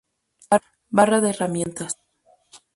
Barra de herramientas.